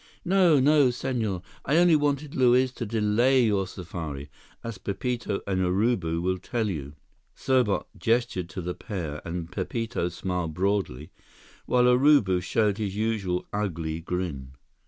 "No, no, Senhor. I only wanted Luiz to delay your safari, as Pepito and Urubu will tell you." Serbot gestured to the pair, and Pepito smiled broadly while Urubu showed his usual ugly grin.